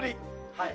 はい。